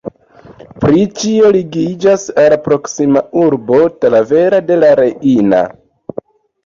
Pri ĉio ligiĝas al proksima urbo Talavera de la Reina.